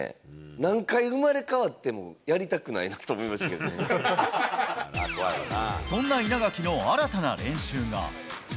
何回生まれ変わっても、そんな稲垣の新たな練習が。